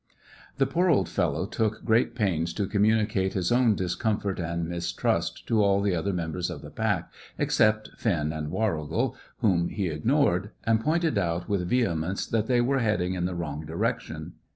The poor old fellow took great pains to communicate his own discomfort and mistrust to all the other members of the pack, except Finn and Warrigal, whom he ignored, and pointed out with vehemence that they were heading in the wrong direction.